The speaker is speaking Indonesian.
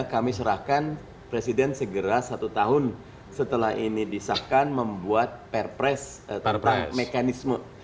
kami serahkan presiden segera satu tahun setelah ini disahkan membuat perpres tentang mekanisme